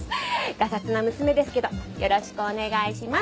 がさつな娘ですけどよろしくお願いします。